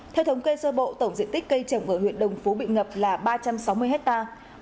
theo thống kê sơ bộ tổng diện tích cây trồng ở huyện đồng phú bị ngập là ba trăm sáu mươi hectare